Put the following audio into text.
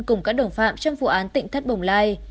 cùng các đồng phạm trong vụ án tỉnh thất bồng lai